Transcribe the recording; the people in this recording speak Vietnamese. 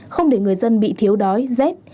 không để người dân bị thiếu đói rét